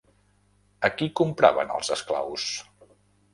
A qui compraven els esclaus?